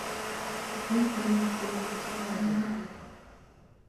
فَحِينَئِذٍ يَأْخُذُ نَفْسَهُ عِنْدَ مَعْرِفَةِ